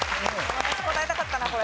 私答えたかったなこれ。